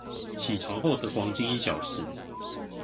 起床後的黃金一小時